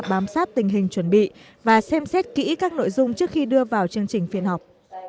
bám sát tình hình chuẩn bị và xem xét kỹ các nội dung trước khi đưa vào chương trình phiên họp